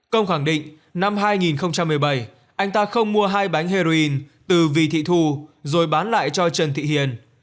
công khẳng định năm hai nghìn một mươi bảy anh ta không mua hai bánh heroin từ vị thị thù rồi bán lại cho trần thị hiền